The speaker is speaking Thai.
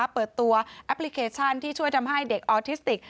เปิดตัวแอปพลิเคชันที่ช่วยทำให้เด็กออทิสติก